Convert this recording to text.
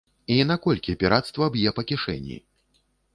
І наколькі пірацтва б'е па кішэні?